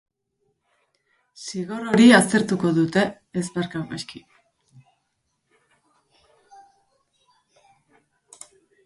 Zigor hori aztertuko dute eztabaida-saioan.